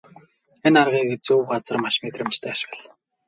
Энэ аргыг зөв газар маш мэдрэмжтэй ашигла.